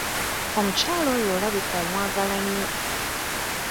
Omukyala oyo olabika nga omwagala nnyo.